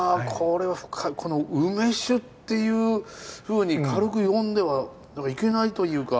この梅酒っていうふうに軽く呼んではいけないというか。